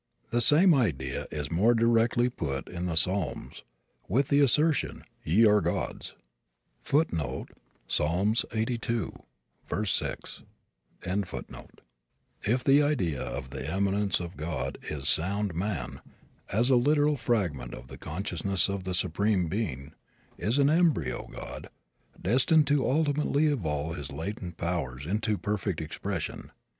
The same idea is more directly put in the Psalms with the assertion, "ye are gods."[A] If the idea of the immanence of God is sound man, as a literal fragment of the consciousness of the Supreme Being, is an embryo god, destined to ultimately evolve his latent powers into perfect expression.